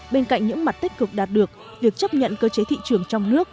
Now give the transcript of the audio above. bên cạnh những mặt tích cực đạt được việc chấp nhận cơ chế thị trường trong nước